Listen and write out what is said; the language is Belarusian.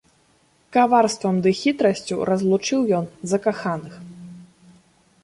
Каварствам ды хітрасцю разлучыў ён закаханых.